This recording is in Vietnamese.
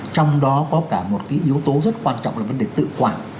trong đó có cả một cái yếu tố rất quan trọng là vấn đề tự quản